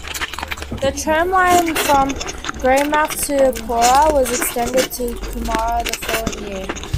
The tramline from Greymouth to Paroa was extended to Kumara the following year.